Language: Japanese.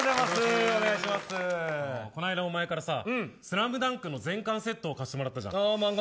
こないだおまえからスラムダンクの全巻セット貸してもらったじゃん。